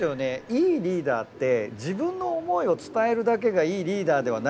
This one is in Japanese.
良いリーダーって自分の思いを伝えるだけが良いリーダーではないですよね。